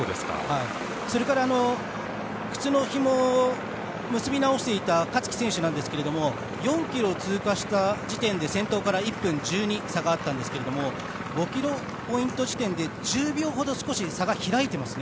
それから、靴のひもを結び直していた勝木選手なんですが４ｋｍを通過地点で先頭から１．１２ほど差があったんですが５ｋｍポイント時点で１０秒ほど差が開いていますね